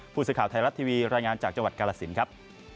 ผู้สื่อข่าวไทยรัฐทีวีรายงานจากจังหวัดกาลสินครับ